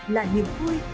là niềm vui